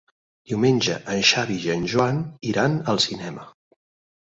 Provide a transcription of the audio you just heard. Diumenge en Xavi i en Joan iran al cinema.